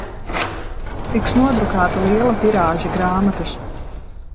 Tiks nodrukāta liela tirāža grāmatas